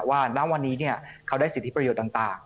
ว่าน้ำวันนี้เนี่ยเขาได้สิทธิประโยชน์ต่าง